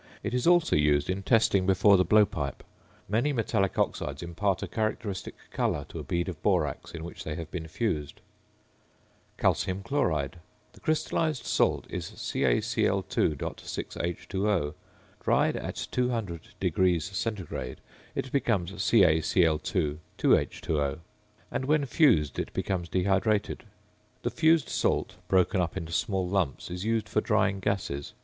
It is also used in testing before the blowpipe; many metallic oxides impart a characteristic colour to a bead of borax in which they have been fused. ~Calcium Chloride.~ The crystallised salt is CaCl_.6H_O; dried at 200° C. it becomes CaCl_.2H_O, and when fused it becomes dehydrated. The fused salt, broken into small lumps, is used for drying gases.